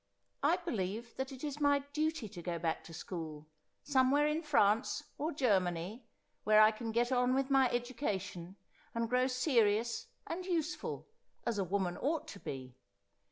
I believe that it is my duty to go back to school, somewhere in France, or Germany, where I can get on with my education and grow seri ous and useful, as a woman ought to be.